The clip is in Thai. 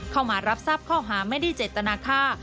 เข้ามารับทราบข้อหาไม่ได้เจตนาค่า